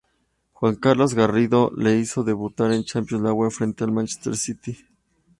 Juan Carlos Garrido le hizo debutar en Champions League frente al Manchester City.